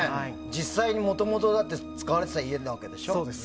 実際にもともと使われてた家なわけでしょ。